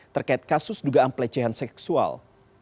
terkait kasus dugaan pelecehan seksual